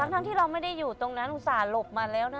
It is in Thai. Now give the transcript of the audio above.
แต่ที่เราไม่ได้อยู่ตรงนั้นอาจลบมาแล้วนะ